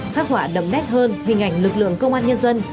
phát họa đậm nét hơn hình ảnh lực lượng công an nhân dân